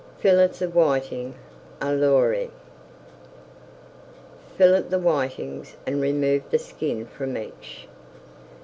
FILLETS OF WHITING À L'ORLY Fillet the whitings and remove the skin from each.